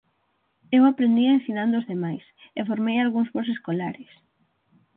Eu aprendía ensinando ós demais, e formei algúns bos escolares.